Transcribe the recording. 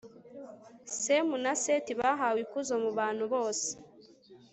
semu na seti bahawe ikuzo mu bantu bose